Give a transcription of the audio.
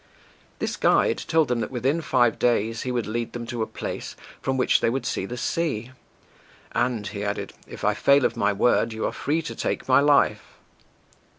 This guide told them that within five days he would lead them to a place from which they would see the sea, "and," he added, "if I fail of my word, you are free to take my life."